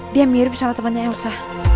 dia mirip sama temannya elsa